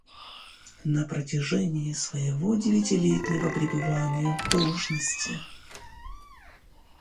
На протяжении своего девятилетнего пребывания в должности.